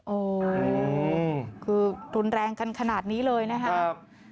โอ้โหคือรุนแรงกันขนาดนี้เลยนะครับ